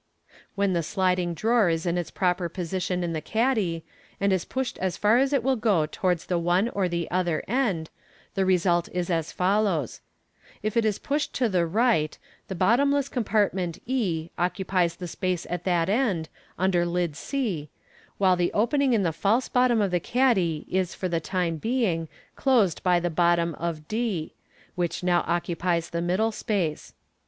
When the sliding drawer is in its proper position in the caddy, and is pushed as far as it will go towards the one or the other end, the result is as follows :— If it is pushed to the right, the bottomless compartment e occupies the space at that end, under lid c, while the opening in the false bottom of the caddy is. for the time being, closed by the bottom of d, which now occupies the middle space.